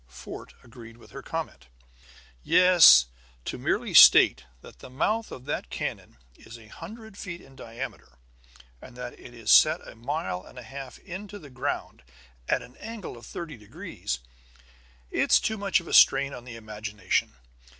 Fort agreed with her comment. "Yes; to merely state that the mouth of that cannon is a hundred feet in diameter, and that it is set a mile and a half into the ground, at an angle of thirty degrees it's too much of a strain on the imagination.